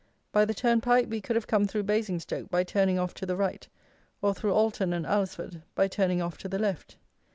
By the turnpike we could have come through Basingstoke by turning off to the right, or through Alton and Alresford by turning off to the left.